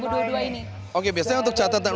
oke biasanya untuk catatan untuk supaya maju terus